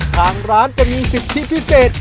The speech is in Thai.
ทางร้านจะมีสิทธิพิเศษ